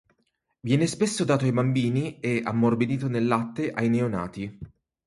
Viene spesso dato ai bambini e, ammorbidito nel latte, ai neonati.